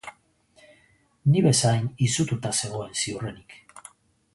Ni bezain izututa zegoen ziurrenik.